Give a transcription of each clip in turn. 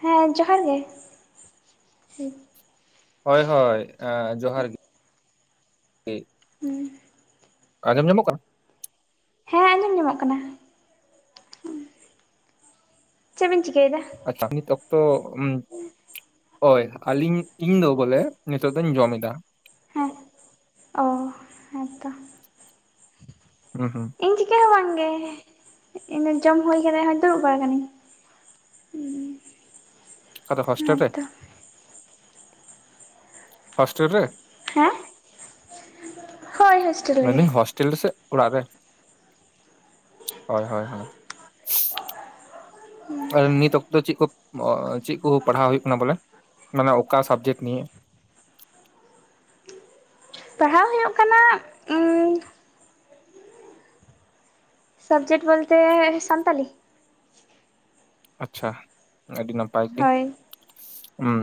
ᱦᱮᱸ ᱡᱚᱦᱟᱨ ᱜᱮ᱾ ᱦᱳᱭ ᱦᱳᱭ ᱟ ᱡᱚᱦᱟᱨ ᱜᱤ᱾ ᱦᱩᱸ᱾ ᱟᱸᱡᱚᱢ ᱧᱟᱢᱚᱜ ᱠᱟᱱᱟ? ᱦᱮᱸ ᱟᱸᱡᱚᱢ ᱧᱟᱢᱚᱜ ᱠᱟᱱᱟ᱾ ᱪᱮᱫ ᱵᱤᱱ ᱪᱤᱠᱟᱹᱭᱫᱟ? ᱟᱪᱪᱷᱟ ᱱᱤᱛ ᱚᱠᱛᱚ ᱩᱸᱢ ᱦᱳᱭ ᱟᱹᱞᱤᱧ, ᱤᱧ ᱫᱚ ᱵᱚᱞᱮ ᱱᱤᱛᱚᱜ ᱫᱚᱧ ᱡᱚᱢ ᱮᱫᱟ᱾ ᱦᱮᱸ, ᱚᱻ ᱦᱮᱸᱛᱚ᱾ ᱦᱩᱸ ᱦᱩᱸ᱾ ᱤᱧ ᱪᱤᱠᱟᱹ ᱦᱚᱸ ᱵᱟᱝ ᱜᱮ, ᱤᱧ ᱫᱚ ᱡᱚᱢ ᱦᱩᱭ ᱠᱟᱫᱟ ᱦᱚᱸᱜ-ᱚᱭ ᱫᱩᱲᱩᱵ ᱵᱟᱲᱟ ᱠᱟᱱᱟᱹᱧ᱾ ᱟᱫᱚ ᱦᱚᱥᱴᱮᱞ ᱨᱮ? ᱦᱮᱸᱛᱚ ᱦᱳᱥᱴᱮᱞ ᱨᱮ? ᱦᱮᱸ? ᱦᱳᱭ ᱦᱳᱥᱴᱮᱞ ᱨᱮᱜᱮ᱾ ᱴᱮᱞ ᱨᱮᱥᱮ ᱚᱲᱟᱜ ᱨᱮ? ᱦᱳᱭ ᱦᱳᱭ ᱦᱳᱭ᱾ ᱟᱨ ᱱᱤᱛ ᱚᱠᱛᱚ ᱫᱚ ᱪᱮᱫ ᱠᱚ, ᱪᱮᱫ ᱠᱚ ᱯᱟᱲᱦᱟᱣ ᱦᱩᱭᱩᱜ ᱠᱟᱱᱟ ᱵᱚᱞᱮ, ᱢᱟᱱᱮ ᱚᱠᱟ ᱥᱟᱵᱡᱮᱠᱴ ᱱᱤᱭᱮ? ᱯᱟᱲᱦᱟᱣ ᱦᱩᱭᱩᱜ ᱠᱟᱱᱟ, ᱩᱸ ᱥᱚᱵᱡᱮᱠᱴ ᱵᱚᱞᱛᱮ ᱥᱟᱱᱛᱟᱞᱤ᱾ ᱟᱪᱪᱷᱟ, ᱟᱹᱰᱤ ᱱᱟᱯᱟᱭ ᱜᱮ᱾ ᱦᱳᱭ ᱦᱩᱸ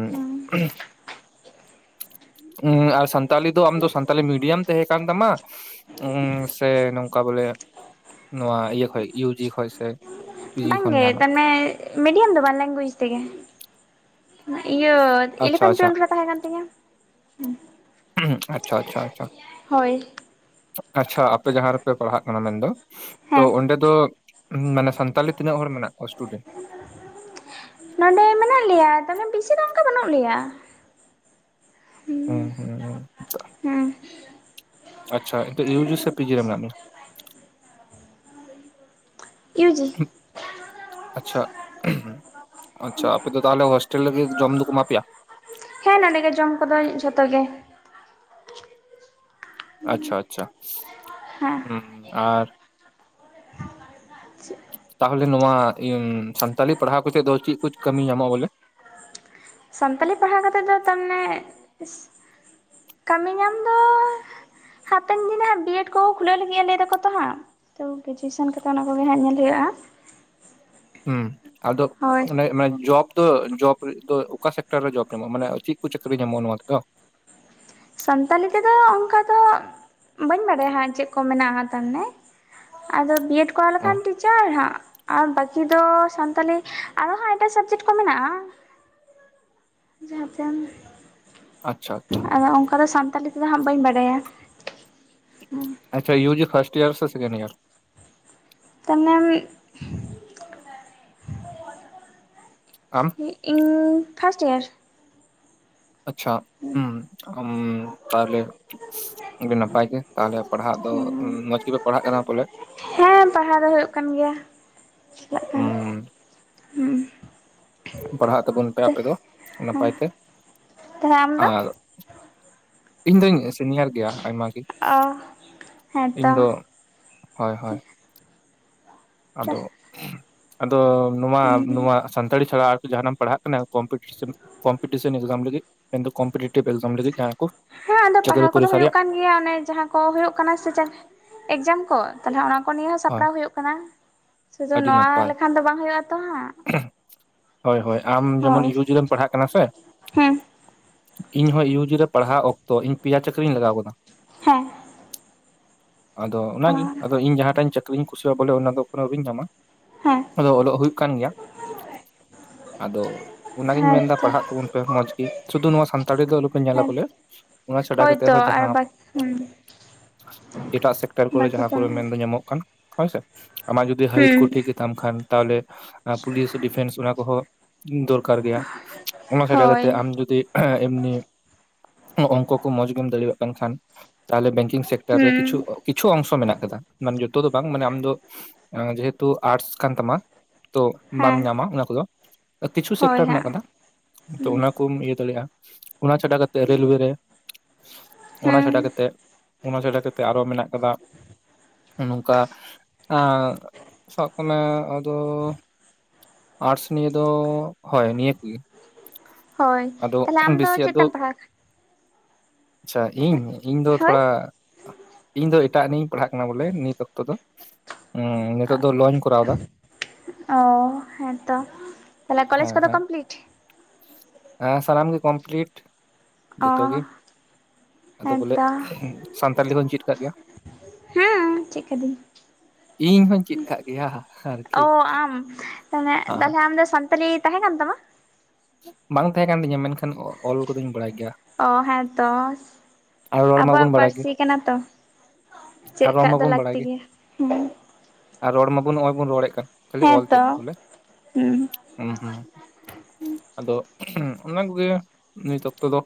ᱩᱸ ᱟᱨ ᱥᱟᱱᱛᱟᱞᱤ ᱫᱚ ᱟᱢ ᱫᱚ ᱥᱟᱱᱛᱟᱞᱤ ᱢᱤᱰᱤᱭᱟᱢ ᱛᱟᱦᱮᱸ ᱠᱟᱱ ᱛᱟᱢᱟ, ᱩᱸ ᱥᱮ ᱱᱚᱝᱠᱟ ᱵᱚᱞᱮ, ᱱᱚᱣᱟ ᱤᱭᱟᱹ ᱠᱷᱚᱡ ᱤᱭᱩ. ᱡᱤ. ᱠᱷᱚᱡ ᱥᱮ᱾ ᱯᱤᱡᱤ ᱵᱟᱝ ᱠᱷᱚᱱ ᱜᱮ ᱡᱟᱦᱟᱱᱟᱜ [unintelligible] ᱢᱤᱰᱤᱭᱟᱢ ᱫᱚ ᱵᱟᱝ ᱞᱮᱝᱜᱩᱭᱮᱡᱽ ᱛᱮᱜᱮ᱾ ᱤᱭᱟᱹ ᱟᱪᱪᱷᱟ ᱤᱞᱤᱵᱷᱮᱱ ᱟᱪᱪᱷᱟ ᱴᱩᱭᱮᱞᱵᱷ ᱨᱮ ᱛᱟᱦᱮᱸ ᱠᱟᱱ ᱛᱤᱧᱟᱹ ᱦᱩᱸ᱾ ᱟᱪᱪᱷᱟ ᱟᱪᱪᱷᱟ ᱟᱪᱪᱷᱟ, ᱟᱪᱪᱷᱟ ᱟᱯᱮ ᱡᱟᱦᱟᱸ ᱨᱮᱯᱮ ᱯᱟᱲᱦᱟᱜ ᱠᱟᱱᱟ ᱢᱮᱱᱫᱚ? ᱛᱚ ᱦᱮᱸ ᱚᱸᱰᱮ ᱫᱚ ᱢᱟᱱᱮ ᱥᱟᱱᱛᱟᱞᱤ ᱛᱤᱱᱟᱹᱜ ᱦᱚᱲ ᱢᱮᱱᱟᱜ ᱠᱚᱣᱟ ᱥᱴᱩᱰᱮᱱᱴ? ᱱᱚᱸᱰᱮ ᱢᱮᱱᱟᱜ ᱞᱮᱭᱟ ᱛᱚ ᱢᱟᱱᱮ ᱵᱮᱥᱤ ᱫᱚ ᱚᱱᱠᱟ ᱵᱟᱹᱱᱩᱜ ᱞᱮᱭᱟ᱾ ᱦᱩᱸ ᱦᱩᱸ ᱦᱩᱸ, ᱦᱮᱸ ᱟᱪᱪᱷᱟ ᱤᱭᱩ ᱡᱤ ᱥᱮ ᱯᱤ ᱡᱤ ᱨᱮ ᱢᱮᱱᱟᱜ ᱢᱮᱭᱟ? ᱤᱭᱩ ᱡᱤ᱾ ᱟᱪᱪᱷᱟ, ᱟᱪᱪᱷᱟ ᱟᱯᱮ ᱫᱚ ᱛᱟᱦᱚᱞᱮ ᱦᱚᱳᱥᱴᱮᱞ ᱨᱮᱜᱮ ᱡᱚᱢ ᱫᱚᱠᱚ ᱮᱢᱟ ᱯᱮᱭᱟ? ᱦᱮᱸ ᱱᱚᱰᱮ ᱜᱮ ᱡᱚᱢ ᱠᱚᱫᱚ ᱡᱷᱚᱛᱚ ᱜᱮ ᱟᱪᱪᱷᱟ ᱟᱪᱪᱷᱟ᱾ ᱦᱮᱸ᱾ ᱦᱩᱸ ᱟᱨ ᱛᱟᱦᱚᱞᱮ ᱱᱚᱣᱟ ᱤᱭᱟᱹ ᱥᱟᱱᱛᱟᱞᱤ ᱯᱟᱲᱦᱟᱣ ᱠᱟᱛᱮᱫ ᱫᱚ ᱪᱮᱫ ᱠᱩ ᱠᱟᱹᱢᱤ ᱧᱟᱢᱚᱜ-ᱟ ᱵᱚᱞᱮ? ᱥᱟᱱᱛᱟᱞᱤ ᱯᱟᱲᱦᱟᱣ ᱠᱟᱛᱮᱫ ᱫᱚ ᱛᱟᱨ ᱢᱟᱱᱮ ᱠᱟᱹᱢᱤ ᱧᱟᱢ ᱫᱚ ᱦᱟᱯᱮᱱ ᱫᱤᱱ ᱨᱮᱦᱟᱸᱜ ᱵᱤᱭᱮᱰ ᱠᱚ ᱠᱷᱩᱞᱟᱹᱣ ᱞᱟᱹᱜᱤᱫ-ᱟ ᱞᱟᱹᱭ ᱫᱟ ᱠᱚ ᱛᱚ ᱦᱟᱸᱜ᱾ ᱛᱚ ᱜᱨᱮᱡᱩᱭᱮᱥᱚᱱ ᱠᱟᱛᱮ ᱚᱱᱟ ᱠᱚᱜᱮ ᱦᱟᱸᱜ ᱧᱮᱞ ᱦᱩᱭᱩᱜ-ᱟ᱾ ᱦᱩᱸ ᱟᱫᱚ ᱦᱳᱭ ᱚᱱᱮ ᱢᱟᱱᱮ ᱡᱚᱵᱽ ᱡᱚᱵᱽ ᱨᱮ ᱚᱠᱟ ᱥᱮᱠᱴᱚᱨ ᱨᱮ ᱡᱚᱵᱽ ᱧᱟᱢᱚᱜ-ᱟ ᱢᱟᱱᱮ ᱪᱮᱫ ᱠᱚ ᱪᱟᱹᱠᱨᱤ ᱧᱟᱢᱚᱜ-ᱟ ᱱᱚᱣᱟ ᱛᱮᱫᱚ? ᱥᱟᱱᱛᱟᱞᱤ ᱛᱮᱫᱚ ᱚᱱᱠᱟ ᱫᱚ ᱵᱟᱹᱧ ᱵᱟᱰᱟᱭᱟ ᱦᱟᱸᱜ ᱪᱮᱫ ᱠᱚ ᱢᱮᱱᱟᱜ-ᱟ ᱛᱟᱨᱢᱟᱱᱮ ᱟᱫᱚ ᱵᱤᱭᱮᱰ ᱠᱚᱨᱟᱣ ᱚ ᱞᱮᱠᱷᱟᱱ ᱴᱤᱪᱟᱨ ᱦᱟᱸᱜ᱾ ᱟᱨ ᱵᱟᱹᱠᱤ ᱫᱚ ᱥᱟᱱᱛᱟᱞᱤ, ᱟᱨᱦᱚᱸ ᱮᱴᱟᱜ ᱥᱟᱵᱽᱡᱮᱠᱴ ᱠᱚ ᱢᱮᱱᱟᱜ-ᱟ᱾ ᱡᱟᱦᱟᱸᱛᱮᱢ ᱟᱪᱪᱷᱟ ᱟᱪᱪᱷᱟ᱾ ᱟᱫᱚ ᱚᱝᱠᱟ ᱫᱚ ᱥᱟᱱᱛᱟᱞᱤ ᱛᱮᱫᱚ ᱦᱟᱸᱜ ᱵᱟᱹᱧ ᱵᱟᱰᱟᱭᱟ᱾ ᱟᱪᱪᱷᱟ ᱤᱭᱩ ᱡᱤ ᱯᱷᱟᱥᱴ ᱤᱭᱟᱨ ᱥᱮ ᱥᱮᱠᱮᱱᱰ ᱤᱭᱟᱨ? ᱛᱟᱢᱱᱚᱢ ᱟᱢ ᱤᱧ ᱯᱷᱟᱥᱴ ᱤᱭᱟᱨ᱾ ᱟᱪᱪᱷᱟ ᱦᱩᱸ ᱟᱢ ᱛᱟᱦᱞᱮ ᱟᱹᱰᱤ ᱱᱟᱯᱟᱭ ᱜᱮ ᱛᱟᱦᱞᱮ ᱯᱟᱲᱦᱟᱜ ᱫᱚ ᱢᱚᱸᱡᱽ ᱜᱮᱯᱮ ᱯᱟᱲᱦᱟᱜ ᱠᱟᱱᱟ ᱵᱚᱞᱮ ᱦᱮᱸ ᱯᱟᱲᱦᱟᱣ ᱫᱚ ᱦᱩᱭᱩᱜ ᱠᱟᱱ ᱜᱮᱭᱟ, ᱪᱟᱞᱟᱜ ᱠᱟᱱᱟ᱾ ᱩᱸ ᱯᱟᱲᱦᱟᱜ ᱛᱟᱵᱚᱱ ᱯᱮ ᱟᱯᱮ ᱫᱚ ᱦᱩᱸ ᱦᱮᱸ ᱱᱟᱯᱟᱭ ᱛᱮ ᱛᱟᱦᱚᱞᱮ ᱟᱢ ᱫᱚ ᱟᱨ ᱤᱧ ᱫᱩᱧ ᱥᱤᱱᱤᱭᱟᱨ ᱜᱮᱭᱟ ᱟᱭᱢᱟ ᱜᱮ ᱚ, ᱦᱮᱸ ᱤᱧ ᱛᱚ᱾ ᱫᱚ ᱦᱳᱭ ᱦᱳᱭ᱾ ᱟᱫᱚ, ᱟᱫᱚ ᱱᱚᱣᱟ ᱱᱚᱣᱟ᱾ ᱥᱟᱱᱛᱟᱲᱤ ᱪᱷᱟᱲᱟ ᱟᱨᱠᱤ ᱡᱟᱸᱦᱟᱱᱟᱢ ᱯᱟᱲᱦᱟᱜ ᱠᱟᱱᱟ ᱠᱚᱢᱯᱤᱴᱤᱥᱮᱱ, ᱠᱚᱢᱯᱤᱴᱤᱥᱮᱱ ᱮᱠᱡᱟᱢ ᱞᱟᱹᱜᱤᱫ? ᱮᱠᱷᱚᱱ ᱫᱚ ᱠᱚᱢᱯᱤᱴᱮᱴᱤᱵᱷ ᱮᱠᱡᱟᱢ ᱞᱟᱜᱤᱫ ᱡᱟᱦᱟᱸ ᱠᱚ ᱦᱮᱸ ᱟᱫᱚ ᱪᱟᱹᱠᱨᱤ ᱯᱟᱲᱦᱟᱣ ᱠᱚᱫᱚ ᱯᱚᱨᱤᱠᱠᱷᱟ ᱦᱩᱭᱩᱜ ᱨᱮᱭᱟᱜ ᱠᱟᱱ ᱜᱮᱭᱟ ᱚᱱᱮ ᱡᱟᱦᱟᱸ ᱠᱚ ᱦᱳᱭᱳᱜ ᱠᱟᱱᱟ ᱥᱮ ᱮᱠᱡᱟᱢ ᱠᱚᱺ ᱛᱟᱞᱦᱮ ᱚᱱᱟ ᱠᱚ ᱱᱤᱭᱮ ᱦᱚᱸ ᱦᱳᱭ ᱥᱟᱯᱲᱟᱣ ᱦᱩᱭᱩᱜ ᱠᱟᱱᱟ᱾ ᱥᱩᱫᱩ ᱟᱹᱰᱤ ᱱᱚᱣᱟ ᱱᱟᱯᱟᱭ ᱞᱮᱠᱷᱟᱱ ᱫᱚ ᱵᱟᱝ ᱦᱩᱭᱩᱜ ᱟ ᱛᱚ ᱦᱟᱸᱜ᱾ ᱦᱳᱭ ᱦᱳᱭ ᱟᱢ ᱡᱮᱢᱚᱱ ᱦᱳᱭ ᱤᱭᱩ ᱡᱤ ᱨᱮᱢ ᱯᱟᱲᱦᱟᱜ ᱠᱟᱱᱟ ᱥᱮ᱾ ᱦᱮᱸ ᱤᱧᱦᱚᱸ ᱤᱭᱩ ᱡᱤ ᱨᱮ ᱯᱟᱲᱦᱟᱣ ᱚᱠᱛᱚ ᱤᱧ ᱯᱤᱭᱟ ᱪᱟᱠᱨᱤᱧ ᱞᱟᱜᱟᱣ ᱠᱟᱫᱟ᱾ ᱦᱮᱸ᱾ ᱟᱫᱚ ᱚ ᱚᱱᱟᱜᱮ ᱟᱫᱚ ᱤᱧ ᱡᱟᱦᱟᱸᱴᱟᱜ ᱪᱟᱹᱠᱨᱤᱧ ᱠᱩᱥᱤᱭᱟᱜ ᱵᱚᱞᱮ ᱚᱱᱟ ᱫᱚ ᱮᱠᱷᱚᱱᱚ ᱟᱹᱣᱨᱤᱧ ᱧᱟᱢᱟ᱾ ᱦᱮᱸ ᱟᱫᱚ ᱚᱞᱚᱜ ᱦᱩᱭᱩᱜ ᱠᱟᱱ ᱜᱮᱭᱟ᱾ ᱟᱫᱚ ᱚᱱᱟᱜᱤᱧ ᱦᱮᱸ ᱢᱮᱱᱫᱟ ᱛᱚ ᱯᱟᱲᱦᱟᱜ ᱛᱟᱵᱚᱱ ᱯᱮ ᱢᱚᱸᱡᱽ ᱜᱮ ᱥᱩᱫᱩ ᱱᱚᱣᱟ ᱥᱟᱱᱛᱟᱲᱤ ᱫᱚ ᱟᱞᱚᱯᱮ ᱧᱮᱞᱟ ᱦᱮᱸ ᱵᱚᱞᱮ᱾ ᱚᱱᱟ ᱪᱷᱟᱰᱟ ᱠᱟᱛᱮᱜ ᱦᱳᱭᱛᱚ ᱦᱚᱸ ᱟᱨ ᱡᱟᱦᱟᱸ ᱵᱟᱠ ᱦᱩᱸ ᱮᱴᱟᱜ ᱥᱮᱠᱴᱟᱨ ᱠᱚᱨᱮ ᱵᱟᱠᱤ ᱡᱟᱦᱟᱸ ᱠᱚ ᱠᱚᱨᱮ ᱢᱮᱱᱟᱜᱼᱟ ᱢᱮᱱᱫᱚ ᱧᱟᱢᱚᱜ ᱠᱟᱱ ᱦᱳᱭᱥᱮ ᱟᱢᱟᱜ ᱡᱩᱫᱤ ᱦᱟᱭᱤᱴ ᱦᱩᱸ ᱠᱚ ᱴᱷᱤᱠ ᱜᱮᱛᱟᱢ ᱠᱷᱟᱱ ᱛᱟᱦᱞᱮ ᱯᱩᱞᱤᱥ ᱰᱤᱯᱷᱮᱱᱥ ᱚᱱᱟ ᱠᱚᱦᱚᱸ ᱫᱚᱨᱠᱟᱨ ᱜᱮᱭᱟ᱾ ᱚᱱᱟ ᱪᱷᱟᱰᱟ ᱦᱳᱭ ᱠᱟᱛᱮ ᱟᱢ ᱡᱩᱫᱤ ᱮᱢᱱᱤ ᱚᱝᱠᱚ ᱠᱚ ᱢᱚᱸᱡᱽ ᱜᱮᱢ ᱫᱟᱲᱮᱣᱟᱜ ᱠᱟᱱ ᱠᱷᱟᱱ ᱛᱟᱦᱚᱞᱮ ᱵᱮ ᱠᱤᱝ ᱥᱮᱠᱴᱟᱨ ᱨᱮ ᱠᱤᱪᱷᱩ ᱦᱩᱸ ᱠᱤᱪᱷᱩ ᱚᱝᱥᱚ ᱢᱮᱱᱟᱜ ᱠᱟᱫᱟ ᱢᱟᱱᱮ ᱡᱚ ᱛᱚ ᱫᱚ ᱵᱟᱝ ᱢᱟᱱᱮ ᱟᱢ ᱫᱚ ᱡᱮᱦᱮᱛᱩ ᱟᱴᱥ ᱠᱟᱱ ᱛᱟᱢᱟ ᱛᱚ ᱵᱟᱢ ᱦᱮᱸ ᱧᱟᱢᱟ ᱚᱱᱟ ᱠᱚᱫᱚ ᱠᱤᱪᱷᱩ ᱦᱳᱭ ᱥᱮᱠᱴᱚᱨ ᱦᱮᱱᱟᱜ ᱦᱟᱸᱜ ᱠᱟᱫᱟ ᱛᱚ ᱦᱩᱸ ᱚᱱᱟ ᱠᱩᱢ ᱤᱭᱟᱹ ᱫᱟᱲᱮᱜ-ᱟ᱾ ᱚᱱᱟ ᱪᱷᱟᱰᱟ ᱠᱟᱛᱮ ᱨᱮᱞᱳᱣᱮ ᱨᱮ, ᱚᱱᱟ ᱦᱩᱸ ᱪᱷᱟᱰᱟ ᱠᱟᱛᱮ ᱚᱱᱟ ᱪᱷᱟᱰᱟ ᱠᱟᱛᱮ ᱟᱨᱚ ᱢᱮᱱᱟᱜ ᱠᱟᱫᱟ ᱱᱚᱝᱠᱟ ᱥᱟᱵ ᱠᱟᱜ ᱢᱮ ᱟᱫᱚ ᱟᱴᱥ ᱱᱤᱭᱮ ᱫᱚ ᱦᱳᱭ ᱱᱤᱭᱟᱹ ᱠᱚᱜᱮ᱾ ᱦᱳᱭ ᱟᱫᱚ ᱛᱟᱦᱞᱮ ᱟᱢ ᱫᱚ ᱵᱮᱥᱤ ᱪᱮᱫ ᱟᱫᱚ ᱴᱟᱢ ᱯᱟᱲᱦᱟᱜ-ᱟ? ᱟᱪᱪᱷᱟ ᱤᱧ ᱤᱧ ᱫᱚ ᱦᱳᱭ ᱛᱷᱚᱲᱟ ᱤᱧ ᱫᱚ ᱮᱴᱟᱜ ᱱᱤᱭᱮᱧ ᱯᱟᱲᱦᱟᱜ ᱠᱟᱱᱟ ᱵᱚᱞ ᱵᱚᱞᱮ ᱱᱤᱛ ᱚᱠᱛᱚ ᱫᱚ ᱱᱤᱛᱚᱜ ᱫᱚ ᱞᱚᱧ ᱠᱚᱨᱟᱣᱫᱟ᱾ ᱚ ᱦᱮᱸᱛᱚ, ᱛᱟᱦᱞᱮ ᱠᱚᱞᱮᱡᱽ ᱦᱮᱸ ᱠᱚᱫᱚ ᱠᱚᱢᱯᱞᱤᱴ? ᱦᱮᱸ ᱥᱟᱱᱟᱢ ᱜᱮ ᱠᱚᱢᱯᱞᱤᱴ᱾ ᱚ ᱡᱚᱛᱚ ᱜᱮ ᱟᱫᱚ ᱵᱚᱞᱮ ᱦᱮᱸᱛᱚ ᱥᱟᱱᱛᱟᱞᱤ ᱦᱚᱧ ᱪᱮᱫ ᱠᱟᱜ ᱜᱮᱭᱟ᱾ ᱦᱩᱸ ᱪᱮᱫ ᱠᱟᱫᱤᱧ᱾ ᱤᱧ ᱦᱚᱧ ᱪᱮᱫ ᱠᱟᱜ ᱜᱮᱭᱟ ᱟᱨᱠᱤ ᱚ ᱟᱢ ᱛᱟᱦᱞᱮ ᱦᱟᱸ ᱛᱟᱦᱞᱮ ᱟᱢ ᱫᱚ ᱥᱟᱱ ᱯᱟᱹᱨᱤ ᱛᱟᱸᱦᱮ ᱠᱟᱱ ᱛᱟᱢᱟ? ᱵᱟᱝ ᱛᱟᱸᱦᱮ ᱠᱟᱱ ᱛᱤᱧᱟᱹ ᱢᱮᱱᱠᱷᱟᱱ ᱚᱞ ᱠᱚᱫᱩᱧ ᱵᱟᱲᱟᱭ ᱜᱮᱭᱟ᱾ ᱚ ᱦᱮᱸ ᱛᱚ ᱟᱨ ᱨᱚᱲ ᱟᱵᱚᱣᱟᱜ ᱢᱟᱵᱚᱱ ᱵᱟᱲᱟᱭ ᱜᱮ ᱯᱟᱹᱨᱥᱤ ᱠᱟᱱᱟ ᱛᱚ ᱪᱮᱫ ᱠᱟᱜ ᱫᱚ ᱞᱟᱹᱠᱛᱤ ᱜᱮᱭᱟ᱾ᱦᱩ ᱟᱨ ᱨᱚᱲ ᱢᱟᱵᱚᱱ ᱱᱚᱜ-ᱚᱭ ᱵᱩᱱ ᱨᱚᱲ ᱮᱫ ᱠᱟᱱ ᱠᱷᱟᱹᱞᱤ ᱚᱞ ᱛᱮᱫ ᱦᱮᱸᱛᱚ ᱜᱮ ᱵᱚᱞᱮ᱾ ᱦᱩᱸ ᱦᱩ ᱦᱩ ᱟᱫᱚ ᱚᱱᱟ ᱠᱚᱜᱮ ᱱᱤᱛ ᱚᱠᱛᱚ ᱫᱚ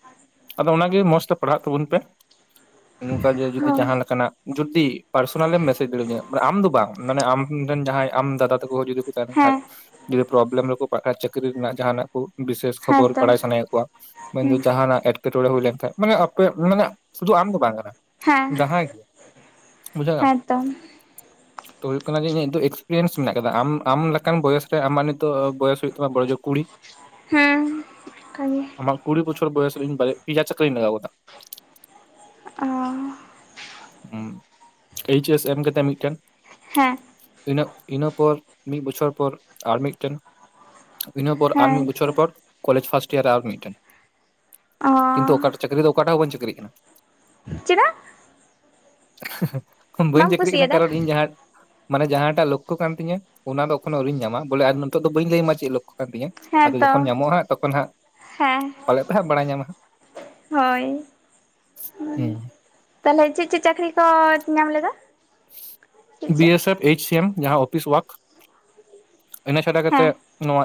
ᱟᱫᱚ ᱚᱱᱟᱜᱮ ᱢᱚᱸᱡᱽ ᱛᱮ ᱯᱟᱲᱦᱟᱜ ᱛᱟᱵᱩᱱ ᱯᱮ ᱱᱚᱝᱠᱟ ᱡᱮ ᱡᱩᱫᱤ ᱦᱳᱭ ᱡᱟᱸᱦᱟ ᱞᱮᱠᱟᱱᱟᱜ ᱡᱩᱫᱤ ᱯᱟᱨᱥᱚᱱᱟᱞᱮᱢ ᱢᱮᱥᱮᱡ ᱫᱟᱲᱮᱣᱟᱹᱧᱟᱹ ᱢᱟᱱᱮ ᱟᱢ ᱫᱚ ᱵᱟᱝ ᱢᱟᱱᱮ ᱟᱢ ᱨᱮᱱ ᱡᱟᱸᱦᱟᱭ ᱟᱢ ᱫᱟᱫᱟ ᱛᱟᱠᱚ ᱡᱩᱫᱤ ᱠᱩ ᱠᱟᱱ ᱠᱷᱟᱡ ᱦᱮᱸ ᱡᱩᱫᱤ ᱯᱨᱚᱵᱞᱮᱢ ᱨᱮᱠᱚ ᱯᱟᱲᱟᱜ ᱠᱟᱱᱟ ᱪᱟᱹᱠᱨᱤ ᱨᱮᱱᱟᱜ ᱡᱟᱦᱟᱱᱟᱜ ᱠᱩ ᱵᱤᱥᱮᱥ ᱠᱷᱚᱵᱚᱨ ᱦᱮᱸᱛᱚ ᱵᱟᱲᱟᱭ ᱥᱟᱱᱟᱭᱮᱜ ᱠᱚᱣᱟ, ᱢᱮᱱᱫᱚ ᱦᱩᱸ ᱡᱟᱸᱦᱟᱱᱟᱜ ᱮᱸᱴᱠᱮᱴᱚᱬᱮᱸ ᱦᱩᱭ ᱞᱮᱱᱠᱷᱟᱱ ᱢᱟᱱᱮ ᱟᱯ ᱢᱟᱱᱮ ᱥᱩᱫᱩ ᱟᱢ ᱫᱚ ᱵᱟᱝ ᱠᱟᱱᱟ ᱦᱮᱸ ᱡᱟᱸᱦᱟᱭ ᱜᱮ ᱵᱩᱡᱷᱟᱹᱣ ᱫᱟᱢ? ᱦᱮᱸᱛᱚ ᱛᱚ ᱦᱩᱭᱩᱜ ᱠᱟᱱᱟ ᱡᱮ ᱤᱧᱟᱹᱜ ᱫᱚ ᱮᱠᱥᱯᱨᱤᱭᱮᱱᱥ ᱢᱮᱱᱟᱜ ᱠᱟᱫᱟ ᱟᱢ ᱟᱢ ᱞᱮᱠᱟᱱ ᱵᱚᱭᱮᱥ ᱨᱮ ᱟᱢᱟᱜ ᱱᱤᱛ ᱛᱚ ᱵᱚᱭᱚᱥ ᱦᱩᱭᱩᱜ ᱛᱟᱢᱟ ᱵᱚᱰᱳ ᱡᱩᱨ ᱠᱩᱲᱤ, ᱦᱮᱸ ᱚᱱᱠᱟᱜᱮ ᱟᱢᱟᱜ ᱠᱩᱲᱤ ᱵᱚᱪᱷ ᱵᱚᱭᱚᱥ ᱨᱮ ᱤᱧ ᱵᱟᱨᱭᱟ ᱯᱤᱭᱟ ᱪᱟᱠᱟᱹᱧ ᱞᱟᱜᱟᱣ ᱠᱟᱫᱟ, ᱚᱸᱻ ᱦᱚᱸ ᱮᱭᱤᱪ ᱮᱥ ᱮᱢ ᱠᱟᱛᱮᱜ ᱢᱤᱫᱴᱮᱱ, ᱦᱮᱸ ᱤᱱᱟᱹ ᱤᱱᱟᱹ ᱯᱚᱨ ᱢᱤᱫ ᱵᱚᱪᱷᱚᱨ ᱯᱚᱨ ᱟᱨ ᱢᱤᱫᱴᱮᱱ, ᱤᱱᱟᱹ ᱯᱚᱨ ᱟᱨ ᱢᱤᱫ ᱦᱮᱸᱛᱚ ᱵᱚᱪᱷᱚᱨ ᱯᱚᱨ ᱠᱚᱞᱡᱽ ᱯᱷᱟᱥᱴ ᱤᱭᱟᱨᱮ ᱟᱨ ᱢᱤᱫᱴᱮᱱ, ᱚ ᱠᱤᱱᱛᱩ ᱚᱠᱟᱴᱟᱜ ᱪᱟᱹᱠᱨᱤ ᱫᱚ ᱚᱠᱟᱴᱟᱜ ᱦᱚᱸ ᱵᱟᱹᱧ ᱪᱟᱹᱠᱨᱤᱜ ᱠᱟᱱᱟ᱾ ᱪᱮᱫᱟᱜ? ᱵᱟᱹᱧ ᱵᱟᱢ ᱪᱟᱹᱠᱨᱤᱜ ᱠᱟᱱᱟ ᱠᱩᱥᱤᱭᱟᱫᱟ ᱠᱟᱨᱚᱱ ᱤᱧ ᱡᱟᱸᱦᱟ ᱢᱟᱱᱮ ᱡᱟᱸᱦᱟᱴᱟᱜ ᱞᱚᱠᱠᱷᱳ ᱠᱟᱱ ᱛᱤᱧᱟᱹ ᱚᱱᱟ ᱫᱚ ᱮᱠᱷᱚᱱᱳ ᱟᱹᱣᱨᱤᱧ ᱧᱟᱢᱟ, ᱵᱚᱞᱮ ᱱᱤᱛᱚᱜ ᱫᱚ ᱵᱟᱹᱧ ᱞᱟᱹᱭ ᱟᱢᱟ ᱪᱮᱫ ᱞᱚᱠᱠᱳ ᱠᱟᱱ ᱛᱤᱧᱟᱹ ᱟᱫᱚ ᱦᱮᱸᱛᱚ ᱡᱚᱠᱷᱚᱱ ᱧᱟᱢᱚᱜ-ᱟ ᱦᱟᱜ ᱛᱚᱠᱷᱚᱱ ᱦᱟᱜ ᱦᱮᱸ ᱯᱟᱞᱮᱫ ᱯᱮ ᱦᱟᱜ ᱵᱟᱲᱟᱭ ᱧᱟᱢᱟ ᱦᱟᱜ ᱦᱳᱭ ᱦᱟᱸᱜ ᱛᱟᱸᱦᱚᱞᱮ ᱪᱮᱫ ᱪᱮᱫ ᱪᱟᱹᱠᱨᱤ ᱠᱚ ᱧᱟᱢ ᱞᱮᱫᱟ? ᱪᱮᱫ ᱵᱤ ᱪᱮᱫ ᱮ ᱥᱮᱯᱷ, ᱮᱭᱤᱪ ᱥᱤ ᱮᱢ ᱡᱟᱸᱦᱟ ᱚᱯᱷᱤᱥ ᱚᱣᱟᱨᱠ ᱤᱱᱟᱹ ᱪᱷᱟᱰᱟ ᱦᱮᱸ ᱠᱟᱛᱮᱜ, ᱱᱚᱣᱟ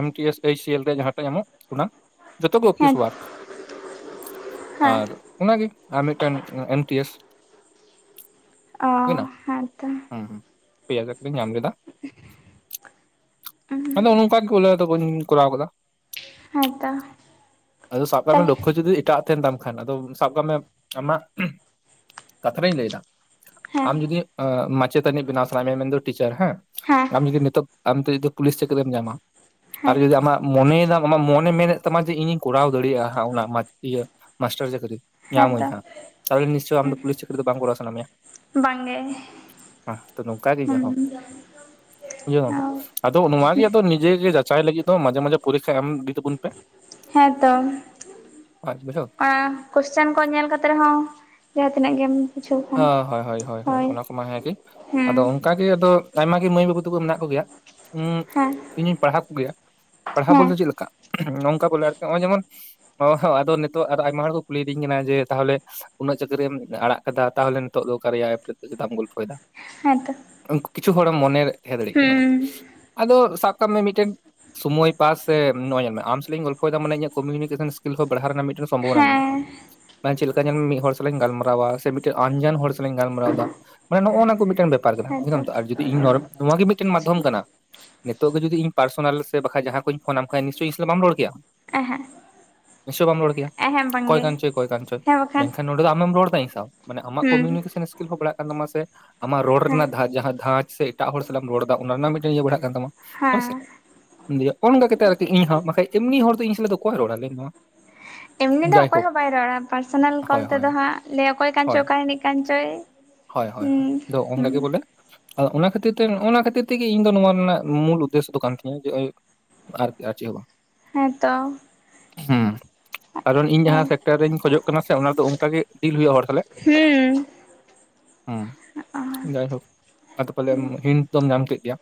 M T S, H C L ᱨᱮ ᱡᱟᱸᱦᱟ ᱴᱟᱜ ᱧᱟᱢᱚᱜ, ᱚᱱᱟ ᱡᱚᱛᱚᱜᱮ ᱚᱯᱷᱤᱥ ᱦᱮᱸ ᱚᱣᱟᱨᱠ ᱦᱮᱸ ᱟᱨ, ᱚᱱᱟᱜᱮ ᱟᱨ ᱢᱤᱫᱴᱮᱱ ᱮᱢ ᱴᱤ ᱮᱥ᱾ ᱚᱻ ᱦᱩᱭᱱᱟ ᱦᱮᱸ ᱛᱚ ᱦᱩᱸ ᱦᱩᱸ ᱯᱮᱭᱟ ᱪᱟᱹᱠᱨᱤᱧ ᱧᱟᱢ ᱞᱮᱫᱟ᱾ᱟᱫᱚ ᱱᱚᱝᱠᱟ ᱜᱮ ᱵᱩᱞᱮ ᱟᱫᱚ ᱵᱟᱹᱧ ᱠᱚᱨᱟᱣ ᱟᱠᱟᱫᱟ᱾ ᱦᱮᱸᱛᱚ ᱟᱫᱚ ᱥᱟᱵ ᱠᱟᱜ ᱢᱮ ᱛᱟᱦᱚᱞᱮ ᱞᱚᱠᱠᱷᱚ ᱡᱩᱫᱤ ᱮᱴᱟᱜ, ᱛᱟᱸᱦᱮᱱ ᱛᱟᱢ ᱠᱷᱟᱱ ᱟᱫᱚ ᱥᱟᱵ ᱠᱟᱜ ᱢᱮ ᱟᱢᱟᱜ ᱠᱟᱛᱷᱟ ᱨᱤᱧ ᱞᱟᱹᱭᱮᱫ ᱫᱟ᱾ ᱦᱮᱸ ᱟᱢ ᱡᱩᱫᱤ ᱢᱟᱪᱮᱛᱟᱹᱱᱤ ᱵᱮᱱᱟᱣ ᱥᱟᱱᱟᱭ ᱮᱫ ᱢᱮᱭᱟ ᱢᱮᱱ ᱫᱚ ᱴᱤᱪᱟᱨ ᱦᱮᱸ ᱦᱮᱸ ᱟᱢ ᱡᱩᱫᱤ ᱱᱤᱛᱚᱜ, ᱟᱢ ᱛᱮ ᱡᱩᱫᱤ ᱯᱩᱞᱤᱥ ᱪᱟᱹᱠᱨᱤᱢ ᱧᱟᱢᱟ ᱟᱨ ᱦᱮᱸ ᱡᱩᱫᱤ ᱟᱢᱟᱜ, ᱢᱚᱱᱮᱭ ᱮᱫᱟᱢ ᱟᱢᱟᱜ ᱢᱚᱱᱮ ᱢᱮᱱᱮᱫ ᱛᱟᱢᱟ ᱡᱮ ᱤᱧᱤᱧ ᱠᱚᱨᱟᱣ ᱫᱟᱲᱮᱭᱟᱜ-ᱟ ᱚᱱᱟ ᱤᱭᱟᱹ ᱢᱟᱥᱴᱟᱨ ᱪᱟᱹᱠᱨᱤ, ᱧᱟᱢ ᱟᱹᱧ ᱦᱮᱸᱛᱚ ᱱᱟᱜ ᱛᱟᱦᱚᱞᱮ ᱱᱤᱥᱪᱚᱭ ᱟᱢ ᱫᱚ ᱯᱩᱞᱤᱥ ᱪᱟᱠᱨᱤ ᱫᱚ ᱵᱟᱝ ᱠᱚᱨᱟᱣ ᱥᱟᱱᱟ ᱢᱮᱭᱟ ᱾ ᱵᱟᱝ ᱜᱮ, ᱦᱚᱸ ᱱᱚᱝᱠᱟ ᱜᱮ ᱤᱧᱟᱜ ᱦᱳ ᱵᱩᱡᱷᱟᱹᱣ ᱠᱮᱜ ᱟᱢ ᱥᱮ, ᱚ ᱟᱫᱚ ᱱᱚᱣᱟ ᱜᱮ ᱟᱫᱚ ᱱᱤᱡᱮ ᱡᱟᱪᱟᱭ ᱞᱟᱹᱜᱤᱫ ᱫᱚ ᱢᱟᱡᱷᱮ ᱢᱟᱡᱷᱮ ᱯᱚᱨᱤᱠᱠᱷᱟ ᱮᱢ ᱤᱫᱤ ᱛᱟᱵᱚᱱ ᱯᱮ, ᱦᱮᱸ ᱛᱚ ᱦᱳᱭ ᱵᱩᱡᱷᱟᱹᱣ ᱟᱻ ᱠᱚᱥᱪᱮᱱ ᱠᱚ ᱧᱮᱞ ᱠᱟᱛᱮ ᱨᱮ ᱦᱚᱸ ᱡᱟᱸᱦᱟ ᱛᱤᱱᱟᱹᱜ ᱜᱮᱢ, ᱵᱩᱡᱷᱟᱹᱣ ᱦ ᱠᱷᱟᱱ ᱦᱳᱭ ᱦᱳᱭ ᱦᱳᱭ ᱦᱳᱭ ᱚᱱᱟ ᱠᱚᱢᱟ ᱦᱮᱸᱜᱮ ᱦᱮᱸ ᱟᱫᱚ, ᱚᱱᱠᱟ ᱜᱮ ᱟᱫᱚ ᱟᱭᱢᱟ ᱜᱮ ᱢᱟᱹᱭ ᱵᱟᱹᱵᱩ ᱛᱟᱠᱚ ᱢᱮᱱᱟᱜ ᱠᱚ ᱜᱮᱭᱟ ᱦᱮᱸ ᱤᱧᱤᱧ ᱯᱟᱲᱦᱟᱣ ᱠᱚ ᱜᱮᱭᱟ᱾ ᱯᱟᱲᱦᱟᱣ ᱵᱚᱞ ᱦᱮᱸ ᱛᱮ ᱪᱮᱫ ᱞᱮᱠᱟ ᱱᱚᱝᱠᱟ ᱠᱚ ᱞᱟᱹᱭᱟ ᱱᱚᱜ-ᱚᱭ ᱡᱮᱢᱚᱱ, ᱚᱦ ᱟᱫᱚ ᱱᱤᱛᱚᱜ ᱟᱫᱚ ᱟᱭᱢᱟ ᱦᱚᱲ ᱠᱚ ᱠᱩᱞᱤᱫᱤᱧ ᱠᱟᱱᱟ ᱡᱮ ᱛᱟᱸᱦᱚᱞᱮ ᱩᱱᱟᱹᱜ ᱪᱟᱹᱠᱨᱤᱢ ᱟᱲᱟᱜ, ᱟᱠᱟᱫᱟ ᱛᱟᱸᱦᱚᱞᱮ ᱱᱤᱛᱚᱜ ᱫᱚ ᱠᱟᱨᱭᱟ ᱮᱯ ᱨᱮ ᱫᱚ ᱪᱮᱫᱟᱜ ᱮᱢ ᱜᱚᱞᱯᱷᱚᱭ ᱮᱫᱟ, ᱦᱮᱸ ᱛᱚ, ᱠᱤᱪᱷᱩ ᱦᱚᱲᱮᱢ ᱢᱚᱱᱮ ᱛᱟᱦᱮᱸ ᱫᱟᱲᱮᱭᱟᱜ ᱠᱟᱱᱟ ᱟᱫᱚ ᱥᱟᱵ ᱠᱟᱜ ᱢᱮ ᱢᱤᱫᱴᱮᱱ ᱥᱚᱢᱚᱭ ᱯᱟᱥ ᱥᱮ ᱱᱚᱜᱼᱚᱭ ᱧᱮᱞ ᱢᱮ ᱟᱢ ᱥᱟᱞᱟᱜ ᱤᱧ ᱜᱚᱞᱯᱷᱚᱭ ᱮᱫᱟ ᱢᱟᱱᱮᱧᱟᱹᱜ ᱠᱚᱢᱤᱭᱤᱱᱤᱠᱮᱥᱚᱱ ᱥᱠᱤᱞ ᱦᱚᱸ ᱵᱟᱲᱦᱟᱣ ᱨᱮᱱᱟᱜ ᱢᱤᱫᱴᱮᱱ ᱥᱚᱢᱵᱷᱚᱵᱚᱱᱟ ᱢᱮᱱᱟᱜᱼᱟ ᱦᱮᱸ ᱢᱟᱱᱮ ᱪᱮᱫ ᱞᱮᱠᱟ ᱧᱮᱞ ᱢᱮ ᱢᱤᱫ ᱦᱚᱲ ᱥᱟᱞᱟᱜ ᱤᱧ ᱜᱟᱞᱢᱟᱨᱟᱣᱟ ᱥᱮ ᱢᱤᱫᱴᱮᱱ ᱟᱱᱡᱟᱱ ᱦᱚᱲ ᱥᱟᱞᱟᱜ ᱤᱧ ᱜᱟᱞᱢᱟᱨᱟᱣ ᱫᱟ᱾ ᱢᱟᱱᱮ ᱱᱚᱜᱼᱚ ᱱᱚᱣᱟ ᱠᱚ ᱢᱤᱫᱴᱮᱱ ᱵᱮᱯᱟᱨ ᱠᱟᱱᱟ ᱦᱮᱸᱛᱚ ᱵᱩᱡᱟᱢ ᱛᱚ ᱟᱨ ᱡᱩᱫᱤ ᱤᱧ ᱜᱮ ᱢᱤᱫᱴᱮᱱ ᱢᱟᱫᱽᱫᱷᱚᱢ ᱠᱟᱱᱟ᱾ ᱱᱤᱛᱚᱜ ᱜᱮ ᱡᱩᱫᱤ ᱤᱧ ᱯᱟᱨᱥᱳᱱᱟᱞ ᱥᱮ ᱵᱟᱠᱷᱟᱡ ᱡᱟᱦᱟᱸ ᱠᱷᱚᱡ ᱯᱷᱳᱱ ᱱᱟᱢ ᱠᱷᱟᱱ ᱱᱤᱥᱪᱳᱭ ᱤᱧ ᱥᱟᱞᱟᱜ ᱵᱟᱢ ᱨᱚᱲ ᱠᱮᱭᱟ ᱮᱦᱮᱸ ᱱᱤᱥᱪᱳᱭ ᱵᱟᱢ ᱨᱚᱲ ᱠᱮᱭᱟ ᱮᱦᱮᱸ ᱚᱠᱚᱭ ᱵᱟᱝᱜᱮ ᱠᱟᱱᱪᱚᱭ ᱚᱠᱚᱭ ᱠᱟᱱᱪᱚᱭ ᱦᱮᱸ ᱵᱟᱠᱷᱟᱱ ᱢᱮᱱ ᱠᱷᱟᱱ [unintelligible] ᱟᱢᱮᱢ ᱨᱚᱲ ᱮᱫᱟ ᱤᱧ ᱥᱟᱶ ᱢᱟᱱᱮ ᱟᱢᱟᱜ ᱦᱩᱸ ᱠᱚᱢᱤᱭᱩᱱᱤᱠᱮᱥᱚᱱ ᱤᱥᱠᱤᱞ ᱦᱚᱸ ᱵᱟᱨᱟᱜ ᱠᱟᱱ ᱛᱟᱢᱟ ᱥᱮᱼᱼ ᱟᱢᱟᱜ ᱨᱚᱲ ᱦᱮᱸ ᱨᱮᱱᱟᱜ ᱫᱷᱟᱡᱷ ᱡᱟᱦᱟᱸ ᱫᱷᱟᱡᱽ ᱥᱮ ᱮᱴᱟᱜ ᱦᱚᱲ ᱥᱟᱞᱟᱜ ᱮᱢ ᱨᱚᱲ ᱮᱫᱟ ᱚᱱᱟ ᱨᱮᱱᱟᱜ ᱢᱤᱫᱴᱮᱱ ᱤᱭᱟᱹ ᱵᱟᱨᱦᱟᱜ ᱠᱟᱱ ᱛᱟᱢᱟ ᱦᱳᱭ ᱦᱮᱸ ᱥᱮ [unintelligible] ᱚᱱᱠᱟ ᱠᱟᱛᱮᱫ ᱟᱨᱠᱤ ᱤᱧᱦᱚᱸ ᱵᱟᱠᱷᱟᱡ ᱮᱢᱱᱤ ᱦᱚᱲ ᱫᱚ ᱤᱧ ᱥᱟᱞᱟᱜ ᱫᱚ ᱚᱠᱚᱭ ᱨᱚᱲᱟ ᱞᱟᱹᱭ ᱢᱮ ᱱᱚᱣᱟ [unintelligible] ᱩᱱᱤ ᱫᱚ ᱚᱠᱚᱭ ᱦᱚᱸ ᱵᱟᱭ ᱨᱚᱲᱟ ᱯᱟᱨᱥᱚᱱᱟᱞ ᱠᱚᱞ ᱦᱳᱭ ᱛᱮ ᱦᱳᱭ ᱫᱚ ᱦᱟᱜ ᱞᱮᱭ [unintelligible] ᱚᱠᱚᱭ ᱠᱟᱱ ᱪᱚᱭ ᱦᱳᱭ ᱚᱠᱟ ᱨᱤᱱᱤᱭ ᱠᱟᱱ ᱪᱚᱭ ᱦᱳᱭ ᱦᱳᱭ ᱦᱳᱭ ᱦᱩᱸ ᱟᱫᱚ ᱚᱱᱠᱟ ᱦᱩᱸ ᱜᱮ ᱵᱚᱞᱮ ᱟᱫᱚ ᱚᱱᱟ ᱠᱷᱟᱹᱛᱤᱨ ᱛᱮ ᱱᱚᱜᱼᱚᱭ ᱱᱚᱣᱟ ᱠᱷᱟᱹᱛᱤᱨ ᱛᱮ ᱜᱮ ᱤᱧ ᱫᱚ ᱱᱚᱣᱟ ᱨᱮᱱᱟᱜ ᱢᱩᱞ ᱩᱫᱽᱫᱮᱥᱥᱚ ᱫᱚ ᱠᱟᱱ ᱛᱤᱧᱟᱹ ᱡᱮ [unintelligible] ᱟᱨ ᱟᱨ ᱪᱮᱫ ᱦᱚᱸᱵᱟᱝ ᱦᱮᱸ ᱛᱚ ᱦᱮᱸ ᱠᱟᱨᱚᱱ ᱤᱧ ᱦᱩᱸ ᱡᱟᱦᱟᱸ ᱴᱮᱠᱴᱟᱨ ᱨᱤᱧ ᱠᱷᱚᱡᱚᱜ ᱠᱟᱱᱟ ᱥᱮ ᱚᱱᱟ ᱫᱚ ᱚᱱᱠᱟ ᱜᱮ ᱰᱤᱞ ᱦᱩᱭᱩᱜᱼᱟ ᱦᱚᱲ ᱛᱟᱦᱚᱞᱮ ᱦᱩᱸ ᱦᱮᱸ ᱡᱟᱭᱦᱳᱠ ᱟᱫᱚ ᱯᱟᱞᱮ ᱦᱤᱱᱴ ᱫᱚᱢ ᱧᱟᱢ ᱠᱮᱫ ᱜᱮᱭᱟ᱾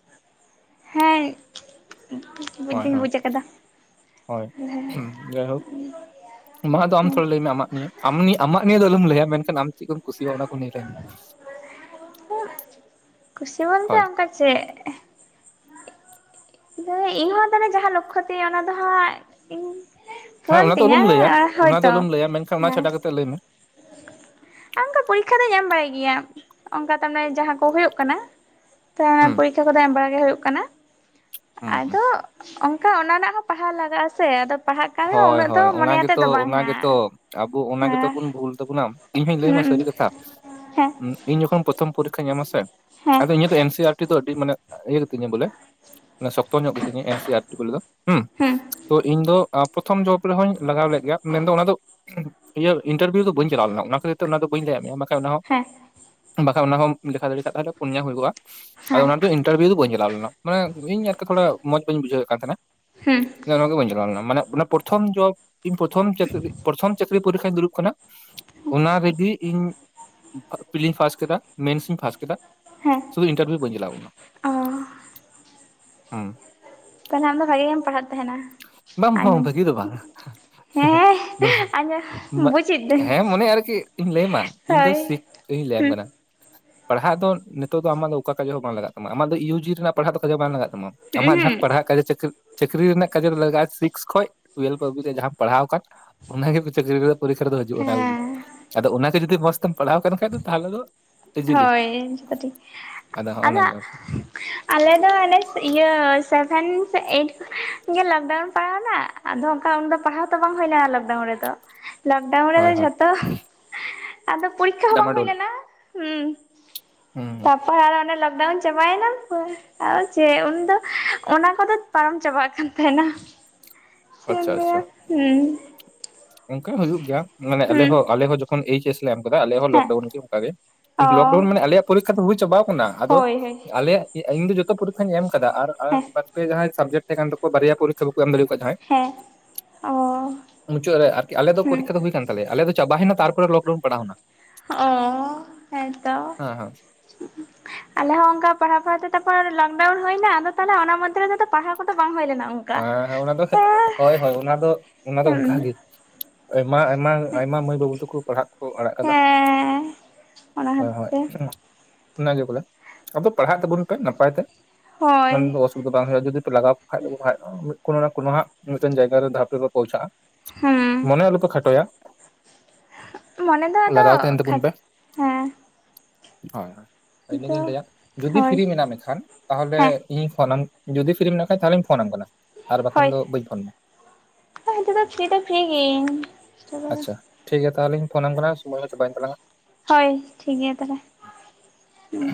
ᱵᱩᱡ ᱦᱳᱭ ᱫᱩᱧ ᱦᱳᱭ ᱵᱩᱡ ᱟᱠᱟᱫᱟ᱾ ᱦᱳᱭ ᱦᱮᱸ ᱡᱟᱭᱦᱳᱠ ᱢᱟ ᱫᱚ ᱟᱢ ᱛᱷᱚᱲᱟ ᱞᱟᱹᱭ ᱢᱮ ᱟᱢᱟᱜ ᱱᱤᱭᱮ ᱟᱢᱟᱜ ᱱᱤᱭᱮ ᱟᱢᱟᱜ ᱱᱤᱭᱮ ᱫᱚ ᱟᱞᱚᱢ ᱞᱟᱹᱭᱟ ᱢᱮᱱ ᱠᱷᱟᱱ ᱟᱢ ᱪᱮᱫ ᱠᱚᱢ ᱠᱩᱥᱤᱭᱟᱜᱼᱟ ᱚᱱᱟ ᱠᱚ ᱱᱤᱭᱮ ᱞᱮᱭ ᱢᱮ [inaudible] ᱠᱩᱥᱤ ᱵᱚᱞ ᱛᱮ ᱦᱳᱭ ᱚᱱᱠᱟ ᱪᱮᱫ? ᱟ ᱤᱧᱦᱳ ᱛᱟᱦᱚᱞᱮ ᱡᱟᱦᱟᱸ ᱞᱚᱠᱠᱷᱚ ᱛᱤᱧ ᱚᱱᱟ ᱫᱚ ᱦᱟᱸᱜ ᱤᱧ ᱦᱮᱸ ᱯᱷᱳᱱ ᱚᱱᱟ ᱫᱚ ᱛᱤᱧᱟᱹ ᱟᱞᱚᱢ ᱞᱟᱹᱭᱟ ᱚᱱᱟ ᱫᱚ ᱦᱳᱭᱛᱚ ᱟᱞᱚᱢ ᱞᱟᱹᱭᱟ ᱢᱮᱱᱠᱷᱟᱱ ᱚᱱᱟ ᱦᱮᱸ ᱪᱷᱟᱰᱟ ᱠᱟᱛᱮ ᱞᱟᱹᱭ ᱢᱮ ᱟᱨ ᱚᱱᱠᱟ ᱯᱚᱨᱤᱠᱠᱷᱟ ᱫᱚᱧ ᱮᱢ ᱵᱟᱲᱟᱭ ᱜᱮᱭᱟ ᱚᱱᱠᱟ ᱛᱟᱱᱮ ᱡᱟᱦᱟᱸ ᱠᱚ ᱦᱳᱭ ᱠᱟᱱᱟ᱾ ᱦᱩᱸ [unintelligible] ᱯᱚᱨᱤᱠᱠᱷᱟ ᱠᱚ ᱫᱚ ᱮᱢ ᱵᱟᱲᱟ ᱜᱮ ᱦᱩᱭᱩᱜ ᱠᱟᱱᱟ᱾ ᱦᱩᱸ ᱦᱩᱸ ᱟᱫᱚ ᱚᱱᱠᱟ ᱚᱱᱟ ᱨᱮᱱᱟᱜ ᱦᱚᱸ ᱯᱟᱲᱦᱟᱣ ᱞᱟᱜᱟᱜᱼᱟ ᱥᱮ ᱟᱫᱚ ᱯᱟᱲᱦᱟᱜ ᱠᱟᱱ ᱨᱮᱦᱚᱸ ᱦᱳᱭ ᱩᱱᱟᱹᱜ ᱫᱚ ᱦᱳᱭ ᱚᱱᱟ ᱢᱚᱱᱮ ᱟᱛᱮᱫ ᱜᱮᱛᱚ ᱫᱚ ᱵᱟᱝ ᱚᱱᱟ ᱦᱟᱸᱜ ᱜᱮᱛᱚ ᱟᱵᱚ ᱚᱱᱟ ᱜᱮᱛᱚ ᱦᱮᱸ ᱵᱚᱱ ᱵᱷᱩᱞ ᱛᱟᱵᱚᱱᱟ ᱤᱧ ᱦᱚᱧ ᱞᱟᱹᱭ ᱟᱢᱢᱟ ᱦᱩᱸ ᱥᱟᱹᱨᱤ ᱠᱟᱛᱷᱟ ᱦᱮᱸ ᱤᱧ ᱡᱚᱠᱷᱚᱱ ᱯᱨᱚᱛᱷᱚᱢ ᱯᱚᱨᱤᱠᱠᱷᱟᱧ ᱮᱢ ᱟᱥᱮ ᱦᱮᱸ ᱟᱫᱚ ᱤᱧᱟᱹᱜ ᱫᱚ ᱮᱱᱥᱤ ᱟᱨ ᱫᱚ ᱟᱹᱰᱤ ᱢᱟᱱᱮ ᱤᱭᱟᱹ ᱜᱮ ᱛᱤᱧᱟ ᱵᱚᱞᱮ ᱢᱟᱱᱮ ᱥᱚᱠᱛᱚ ᱧᱚᱜ ᱜᱤᱛᱤᱧᱟ ᱮᱱ ᱥᱤ ᱟᱨ ᱴᱤᱠᱮᱞ ᱫᱚ ᱦᱩ ᱸ ᱦᱩᱸ ᱛᱚ ᱤᱧ ᱫᱚᱼᱼ ᱯᱨᱚᱛᱷᱚᱢ ᱡᱚᱵ ᱨᱮᱦᱚᱧ ᱞᱟᱜᱟᱣ ᱞᱮᱫ ᱜᱮᱭᱟ ᱢᱮᱱ ᱫᱚ ᱚᱱᱟ ᱫᱚᱼ ᱤᱭᱟᱹ ᱤᱱᱴᱟᱨᱵᱷᱤᱭᱩ ᱫᱚ ᱵᱟᱹᱧ ᱪᱟᱞᱟᱣ ᱞᱮᱱᱟ ᱚᱱᱟ ᱠᱷᱟᱹᱛᱤᱨ ᱛᱮ ᱚᱱᱟ ᱫᱚ ᱵᱟᱹᱧ ᱞᱟᱹᱭᱟᱫ ᱢᱮᱭᱟ ᱵᱟᱝ ᱠᱷᱟᱱ ᱚᱱᱟ ᱦᱚᱸᱼ ᱦᱮᱸ ᱵᱟᱠᱷᱟᱡ ᱚᱱᱟᱦᱚᱸ ᱞᱮᱠᱷᱟ ᱫᱟᱲᱮ ᱠᱷᱟᱱᱡᱮ ᱯᱩᱱᱭᱟ ᱦᱩᱭᱩᱜᱼᱟ᱾ ᱟᱨ ᱦᱮᱸ ᱚᱱᱟ ᱛᱮ ᱤᱱᱴᱟᱨᱵᱷᱤᱭᱩ ᱫᱚ ᱵᱟᱹᱧ ᱮᱞᱟᱣ ᱞᱮᱱᱟ ᱢᱟᱱᱮ ᱤᱧ ᱟᱨᱠᱤ ᱛᱷᱚᱲᱟ ᱢᱚᱸᱡᱽ ᱵᱟᱹᱧ ᱵᱩᱡᱷᱟᱹᱣ ᱮᱫ ᱠᱟᱱ ᱛᱟᱦᱮᱸᱱᱟ, ᱦᱩᱸ ᱱᱚᱠᱟ ᱵᱧ ᱪᱣ ᱢᱟᱱᱮ [unintelligible] ᱚᱱᱟ ᱯᱨᱚᱛᱷᱚᱢ ᱡᱚᱵ ᱤᱧ ᱯᱨᱚᱛᱷᱚᱢ ᱪᱟ. ᱠᱨᱤ ᱯᱨᱚᱛᱷᱚᱢ ᱪᱟᱹᱠᱨᱤ ᱯᱚᱨᱤᱠᱠᱷᱟᱧ ᱫᱩᱲᱩᱵ ᱠᱟᱱᱟ᱾ ᱚᱱᱟ ᱨᱮᱜᱤ ᱤᱧ ᱯᱦᱤᱧ, ᱯᱷᱟᱥᱴ ᱠᱮᱫᱟ ᱢᱮᱱᱥ, ᱤᱧ ᱯᱷᱟᱥᱴ ᱠᱮᱫᱟ, ᱦᱮᱸ ᱥᱩᱫᱩ ᱤᱱᱴᱟᱨᱵᱷᱤᱭᱩ ᱵᱟᱹᱧ ᱮᱞᱟᱣ ᱞᱮᱱᱟ ᱚ ᱦᱮᱸᱼᱼ ᱛᱟᱦᱚᱞᱮ ᱟᱢ ᱫᱚ ᱵᱷᱟᱜᱮ ᱜᱮᱢ ᱯᱟᱲᱦᱟᱜ ᱛᱟᱦᱮᱱᱟ ᱟᱸᱡᱚᱢᱼᱼ ᱵᱷᱟᱜᱤ ᱫᱚ ᱵᱟᱝ ᱟᱸᱡᱚᱢ [unintelligible] ᱵᱩᱡᱮᱫ ᱫᱟᱹᱧ ᱦᱮᱸ ᱢᱚᱱᱮ ᱟᱨᱠᱤ ᱤᱧ ᱞᱟᱹᱭᱢᱟ ᱤᱧ ᱫᱚ ᱦᱳᱭ ᱥᱤᱠᱷ ᱤᱧ ᱞᱟᱹᱭᱟᱢ ᱦᱩᱸ ᱠᱟᱱᱟ᱾ ᱯᱟᱲᱦᱟᱜ ᱫᱚ ᱱᱤᱛᱚᱜ ᱫᱚ ᱟᱢᱟᱜ ᱫᱚ ᱚᱠᱟ ᱠᱟᱡᱮ ᱦᱚᱸ ᱵᱟᱝ ᱞᱟᱜᱟᱜ ᱛᱟᱢᱟ ᱟᱢᱟᱜ ᱫᱚ ᱤᱭᱩᱡᱤ ᱨᱮᱱᱟᱜ ᱯᱟᱲᱦᱟᱜ ᱫᱚ ᱠᱟᱡᱮ ᱵᱟᱝ ᱞᱟᱜᱟᱜ ᱛᱟᱢᱟ, ᱟᱢᱟᱜ ᱡᱟᱦᱟᱸ ᱦᱩᱸ ᱯᱟᱲᱦᱟᱜ ᱠᱟᱡᱟᱹᱪᱟ ᱠᱨᱤ ᱪᱟᱹᱠᱨᱤ ᱨᱮᱱᱟᱜ ᱠᱟᱡᱟᱨᱮ ᱞᱟᱜᱟᱜᱼᱟ ᱥᱤᱠᱥ ᱠᱷᱚᱡᱼᱼ ᱴᱩᱭᱮᱞᱵᱷ ᱚᱵ ᱨᱮ ᱡᱟᱦᱟᱸᱟᱢ ᱯᱟᱲᱦᱟᱣ ᱟᱠᱟᱱ ᱚᱱᱟᱜᱮ ᱪᱟᱹᱠᱨᱤ ᱯᱚᱨᱤᱠᱠᱷᱟ ᱨᱮᱫᱚ ᱦᱤᱡᱩᱜᱼᱟ ᱚᱱᱟ ᱜᱮ ᱦᱮᱸ ᱟᱫᱚ ᱚᱱᱟᱜᱮ ᱡᱩᱫᱤ ᱢᱚᱸᱡᱽ ᱛᱮᱢ ᱯᱟᱲᱦᱟᱣ ᱠᱟᱱ ᱠᱷᱟᱡ ᱫᱚ ᱛᱟᱦᱚᱞᱮ ᱫᱚᱼᱼ ᱦᱚᱭ ᱡᱚᱛᱚ ᱴᱷᱤᱠ ᱟᱫᱚ [unintelligible] ᱦᱚᱸᱜᱼᱚ ᱱᱟ ᱜᱮ ᱟᱨᱠᱤ ᱟᱞᱮ ᱫᱚ ᱚᱱᱮ ᱤᱭᱟᱹ ᱥᱮᱵᱷᱮᱱ ᱥᱮ ᱮᱭᱤᱴ ᱱᱤᱭᱟᱹᱞᱚᱠᱰᱟᱣᱩᱱ ᱯᱟᱲᱦᱟᱣᱱᱟ ᱟᱫᱚ ᱚᱱᱠᱟ ᱩᱱ ᱫᱚ ᱯᱟᱲᱦᱟᱣ ᱛᱚ ᱵᱟᱝ ᱦᱩᱭ ᱞᱮᱱᱟ ᱞᱚᱠᱰᱟᱣᱩᱱ ᱨᱮᱫᱚ᱾ ᱞᱚᱠᱰᱟᱣᱩᱱ ᱨᱮᱫᱚ ᱦᱳᱭ ᱡᱚᱛᱚ ᱟᱫᱚ ᱯᱚᱨᱤᱼᱼ ᱰᱟᱢᱰᱳᱞᱼᱼ ᱦᱩᱸ ᱦᱮᱸ ᱦᱮᱸ᱾ ᱦᱳᱭ ᱟᱞᱮ ᱚᱸᱰᱮ ᱞᱚᱠᱰᱟᱣᱩᱱ ᱪᱟᱵᱟᱭᱱᱟ ᱦᱭᱼᱼ ᱟᱨ ᱪᱮ ᱩᱱᱫᱚ ᱚᱱᱟ ᱠᱚᱫᱚ ᱯᱟᱨᱚᱢ ᱪᱟᱵᱟᱜ ᱠᱟᱱ ᱛᱟᱦᱮᱱᱟ᱾ [inaudible] ᱪᱮᱫ ᱮᱢ ᱟᱪᱪᱷᱟ ᱞᱟᱹᱭᱼᱟ ᱦᱮᱸ ᱚᱱᱠᱟ ᱦᱚᱸ ᱦᱩᱭᱩᱜ ᱜᱮᱭᱟ ᱢᱟᱱᱮ ᱦᱩᱸ ᱟᱞᱮᱦᱚᱸ ᱟᱞᱮ ᱦᱚᱸ ᱡᱚᱠᱷᱚᱱ ᱮᱭᱤᱪ ᱮᱥᱼᱼ ᱞᱮ ᱮᱢ ᱟᱠᱟᱫᱟ ᱟᱞᱮ ᱦᱚᱸ ᱦᱮᱸ ᱞᱚᱠᱰᱟᱣᱩᱱ ᱜᱮ ᱚᱱᱠᱟᱜᱮ ᱚ ᱞᱚᱠᱰᱟᱣᱩᱱ ᱢᱟᱱᱮ ᱟᱞᱮᱭᱟᱜ ᱯᱚᱨᱤᱠᱠᱷᱟ ᱫᱚ ᱦᱩᱭ ᱪᱟᱵᱟᱟᱣ ᱟᱠᱟᱱᱟ᱾ ᱟᱫᱚ ᱦᱳᱭ ᱦᱳᱭ ᱟᱞᱮᱭᱟᱜ ᱤᱧ ᱫᱚ ᱡᱚᱛᱚ ᱯᱚᱨᱤ ᱠᱠᱷᱟᱧ ᱮᱢ ᱟᱠᱟᱫᱟ ᱟᱨᱼᱼ ᱦᱮᱸ ᱟᱯᱮ ᱡᱟᱦᱟᱸᱭ ᱥᱟᱵᱡᱮᱴ ᱛᱟᱦᱮᱸ ᱠᱟᱱ ᱛᱟᱠᱚᱭᱟ ᱯᱚᱨᱤᱠᱠᱷᱟ ᱵᱟᱠᱚ ᱮᱢ ᱫᱟᱲᱮᱠᱚᱣᱟ ᱡᱟᱦᱟᱸᱭ ᱦᱮᱸ ᱚᱻ ᱟᱨᱠᱤ ᱟᱞᱮ ᱯᱚᱨᱤᱠᱠᱷᱟ ᱫᱚ ᱦᱩᱭ ᱠᱟᱱ ᱛᱟᱞᱮᱭᱟ ᱟᱞᱮ ᱫᱚ ᱪᱟᱵᱟᱭᱱᱟ ᱛᱟᱨᱯᱚᱨᱮ ᱛᱟᱨᱯᱚᱨᱮ ᱞᱚᱠᱰᱟᱣᱩᱱ ᱯᱟᱲᱟᱣᱮᱱᱟ ᱚ ᱦᱮᱸ ᱛᱚ ᱦᱮᱸ [inaudible] ᱟᱞᱮᱦᱚᱸ ᱚᱱᱠᱟ ᱯᱟᱲᱦᱟᱣ ᱯᱟᱲᱦᱟ ᱛᱮ ᱛᱟᱨᱯᱚᱨ ᱞᱚᱠᱰᱟᱣᱩᱱ ᱦᱩᱭᱱᱟ ᱟᱫᱚ ᱛᱚᱞᱮ ᱚᱱᱟ ᱢᱚᱫᱽᱫᱷᱮ ᱨᱮ ᱛᱚ ᱯᱟᱲᱦᱟᱣ ᱠᱚᱫᱚ ᱵᱟᱝ ᱦᱩᱭ ᱞᱮᱱᱟᱼᱼ ᱦᱟ ᱚᱱᱟ ᱫᱚ ᱥᱮ ᱦᱳᱭ ᱦᱳᱭ ᱚᱱᱟ ᱫᱚ ᱚᱱᱟ ᱫᱚ ᱦᱮᱸ ᱚᱱᱠᱟᱜ ᱜᱮᱼᱼ ᱟᱭᱢᱟ ᱟᱭᱢᱟ ᱟᱭᱢᱟ ᱢᱟᱹᱭ ᱵᱟᱹᱵᱩ ᱛᱟᱠᱚ ᱯᱟᱲᱦᱟᱜ ᱠᱚ ᱟᱲᱟᱜ ᱠᱟᱫᱟ᱾ ᱦᱮᱸ ᱚᱱᱟ ᱦᱳᱭ ᱦᱚᱛᱮ ᱦᱳᱭ ᱛᱮ ᱚᱱᱟᱜᱮ ᱵᱚᱞᱮ ᱟᱫᱚ ᱯᱟᱲᱦᱟᱜ ᱛᱟᱵᱚᱱ ᱯᱮ ᱱᱟᱯᱟᱭ ᱛᱮ, ᱦᱳᱭ ᱚᱱᱟ ᱫᱚ ᱚᱥᱵᱤᱫᱷᱟ ᱵᱟᱝ ᱦᱩᱭᱩᱜᱼᱟ ᱡᱩᱫᱤ ᱯᱮ ᱞᱟᱜᱟᱣ ᱠᱷᱟᱱ ᱠᱳᱱᱳ ᱱᱟ ᱠᱳᱱᱳ ᱦᱟᱸᱜ ᱢᱤᱫᱴᱮᱱ ᱡᱟᱭᱜᱟᱟᱨᱮ ᱫᱷᱟᱯ ᱨᱮᱯᱮ ᱯᱳᱣᱪᱷᱟᱜᱼᱟ ᱦᱮᱸ ᱢᱚᱱᱮ ᱟᱞᱚᱯᱮ ᱠᱷᱟᱴᱚᱭᱟ, ᱢᱚᱱᱮ ᱫᱚ ᱟᱫᱚ ᱞᱟᱜᱟᱣ ᱛᱟᱦᱮᱱ ᱛᱟᱵᱚᱱ ᱠᱷᱟᱴ ᱯᱮ ᱦᱮᱸᱼᱼ ᱦᱳᱭ ᱦᱳᱭ ᱤᱱᱟᱹᱜᱤᱧ ᱞᱟᱹᱭᱟ ᱡᱩᱫᱤ ᱦᱳᱭ ᱯᱷᱤᱨᱨᱤ ᱢᱮᱱᱟᱜ ᱢᱮᱠᱷᱟᱱ ᱛᱟᱦᱚᱞᱮᱼᱼ ᱦᱮᱸ ᱤᱧ ᱯᱷᱳᱱᱟᱢ ᱡᱩᱫᱤ ᱯᱷᱤᱨᱨᱤᱢ ᱢᱮᱱᱟᱜ ᱠᱷᱟᱱ ᱛᱟᱦᱚᱞᱮᱧ ᱯᱷᱳᱱᱟᱢ ᱠᱟᱱᱟ᱾ ᱟᱨ ᱦᱭ ᱵᱟᱠᱷᱟᱱ ᱫᱚ ᱵᱟᱹᱧ ᱯᱷᱳᱱ ᱟᱢᱟ ᱦᱳᱭ ᱱᱤᱛᱚᱜ ᱫᱚ ᱯᱷᱤᱨᱤ ᱫᱚ ᱯᱷᱤᱨᱤ ᱜᱮᱤᱧ᱾ ᱟᱪᱪᱷᱟ ᱴᱷᱤᱠ ᱜᱮᱭᱟ ᱛᱟᱦᱚᱞᱮᱧ ᱯᱷᱳᱱ ᱟᱢ ᱠᱟᱱᱟ ᱥᱚᱢᱚᱭ ᱦᱚᱸ ᱪᱟᱵᱟ ᱮᱱ ᱛᱟᱞᱟᱝᱼᱟ᱾ ᱦᱳᱭ ᱴᱷᱤᱠ ᱜᱮᱭᱟ ᱛᱟᱦᱚᱞᱮ ᱦᱩᱸ